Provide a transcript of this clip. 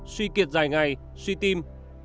suy kiệt dài ngày suy tim